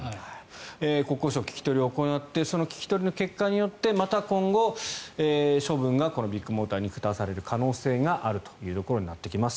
国交省聞き取りを行ってその聞き取りの結果によってまた今後処分がビッグモーターに下される可能性があるというところになってきます。